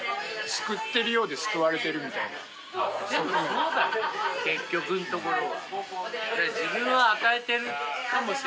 そうだね結局のところは。